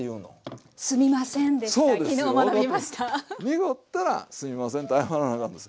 濁ったらすいませんって謝らなあかんのです。